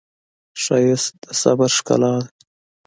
ښایست د صبر ښکلا ده